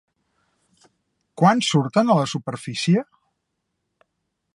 Quan surten a la superfície?